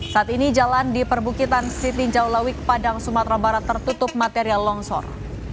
saat ini jalan di perbukitan sitinjau lawik padang sumatera barat tertutup material longsor